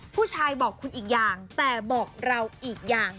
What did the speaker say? ผู้ชายบอกคุณอีกอย่างแต่บอกเราอีกอย่าง